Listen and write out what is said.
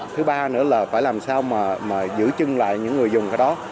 thứ ba nữa là phải làm sao mà giữ chân lại những người dùng cái đó